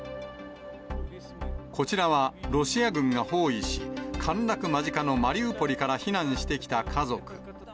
こちらは、ロシア軍が包囲し、陥落間近のマリウポリから避難してきた家族。